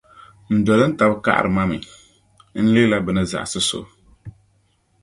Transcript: n dolintab’ kaɣiri ma mi, n leela bɛ ni zaɣisi so.